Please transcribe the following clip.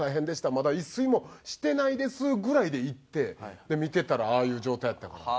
「まだ一睡もしてないです」ぐらいで行ってで見てたらああいう状態やったから。